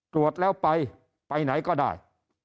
ตรวจแล้วไปไปไหนก็ได้